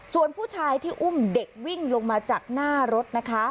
ส่วนผู้ชายที่อุ้มเด็กวิ่งลงมาจากหน้ารถนะคะ